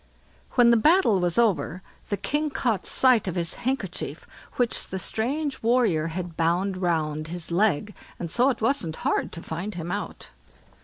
When the battle was over, the king caught sight of his handkerchief, which the strange warrior had bound round his leg, and so it wasn't hard to find him out.